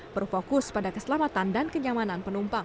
berfokus pada keselamatan dan kenyamanan penumpang